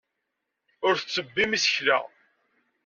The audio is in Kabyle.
Ur tettebbim isekla.